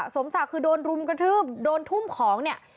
สมศักดิ์คือโดนรุมกระทืบโดนทุ่มของเนี่ย